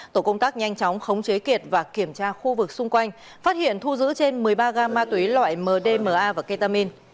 tổ công tác nhanh chóng khống chế kiệt và kiểm tra khu vực xung quanh phát hiện thu giữ trên một mươi ba gam ma túy loại mdma và ketamin